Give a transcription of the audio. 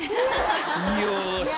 よし。